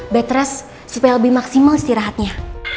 bed rest supaya lebih maksimal istirahatnya